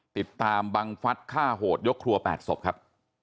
ติดตามบังฟัดฆ่าโหดยกครัวแปดศพครับ